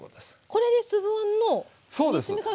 これで粒あんの煮詰め加減。